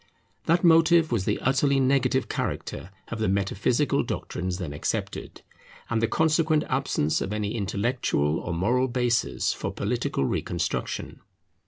That motive was the utterly negative character of the metaphysical doctrines then accepted, and the consequent absence of any intellectual or moral basis for political reconstruction.